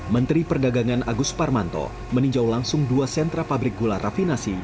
menteri perdagangan agus parmanto meninjau langsung dua sentra pabrik gula rafinasi